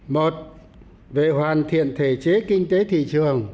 một về hoàn thiện thể chế kinh tế thị trường